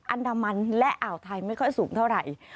อันดามันและอ่าวไทยไม่ค่อยสูงเท่าไหร่